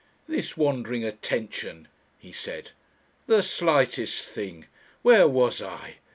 "This wandering attention!" he said. "The slightest thing! Where was I?